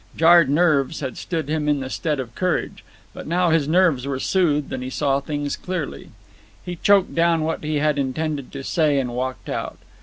Jarred nerves had stood him in the stead of courage; but now his nerves were soothed and he saw things clearly. He choked down what he had intended to say and walked out.